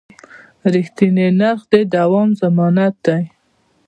رښتیني نرخ د دوام ضمانت دی.